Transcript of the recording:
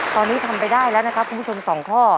ตอนนี้ทำไปได้แล้วนะครับคุณผู้ชม๒ข้อ